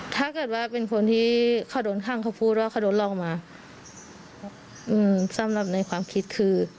ถ้าเกิดว่าเป็นคนที่เขาโดนข้างเขาพูดว่าเขาโดนล่องมาอืมสำหรับในความคิดคือ